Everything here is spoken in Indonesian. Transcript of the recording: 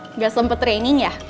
tidak sempat training ya